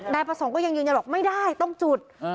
นายประสงค์ก็ยังยืนยันบอกไม่ได้ต้องจุด